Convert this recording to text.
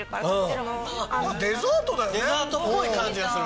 デザートっぽい感じがする